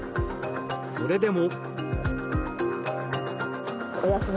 それでも。